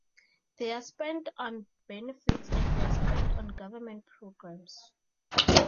They're spent on benefits and they're spent on government programs.